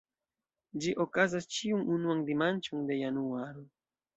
Ĝi okazas ĉiun unuan dimanĉon de januaro.